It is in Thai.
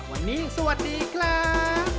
วันนี้สวัสดีครับ